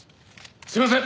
すいません。